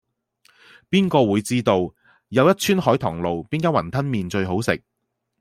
邊個會知道又一村海棠路邊間雲吞麵最好食